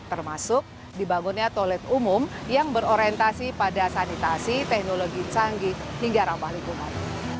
termasuk dibangunnya toilet umum yang berorientasi pada sanitasi teknologi canggih hingga ramah lingkungan